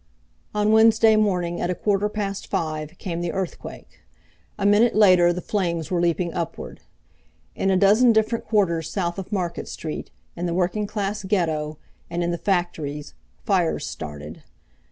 On Wednesday morning at a quarter past five came the earthquake. A minute later the flames were leaping upward In a dozen different quarters south of Market Street, in the working class ghetto, and in the factories, fires started.